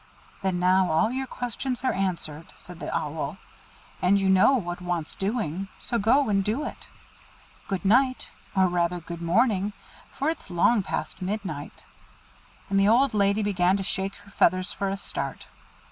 "Then now all your questions are answered," said the Owl, "and you know what wants doing, so go and do it. Good night, or rather good morning, for it is long past midnight;" and the old lady began to shake her feathers for a start.